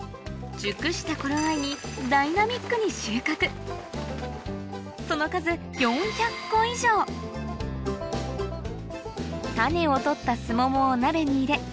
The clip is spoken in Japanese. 熟した頃合いにダイナミックにその数種を取ったスモモを鍋に入れ